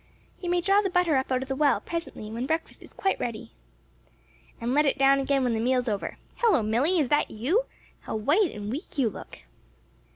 "You may draw the butter up out of the well, presently, when breakfast is quite ready." "And let it down again when the meal's over. Hello, Milly! is that you? how white and weak you look!"